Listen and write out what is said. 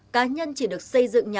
cá nhân chỉ được xây dựng nhà ở